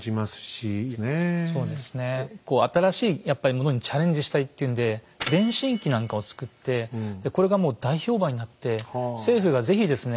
そうですね新しいやっぱりものにチャレンジしたいっていうんで電信機なんかを作ってこれがもう大評判になって政府が是非ですね